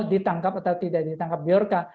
ditangkap atau tidak ditangkap bjorka